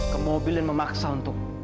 kemobil yang memaksa untuk